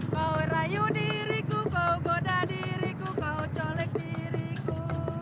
kau rayu diriku kau goda diriku kau colek diriku